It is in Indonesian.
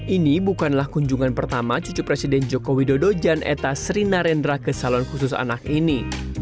ini bukanlah kunjungan pertama cucu presiden jokowi dodo jan eta sri rina rendra ke salon khusus anak ini